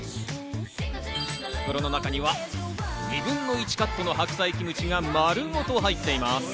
袋の中には２分の１カットの白菜キムチが丸ごと入っています。